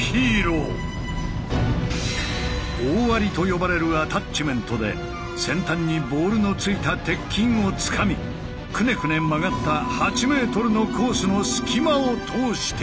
大割りと呼ばれるアタッチメントで先端にボールのついた鉄筋をつかみくねくね曲がった８ｍのコースの隙間を通していく。